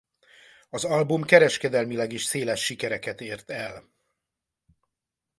Az album kereskedelmileg is széles sikereket ért el.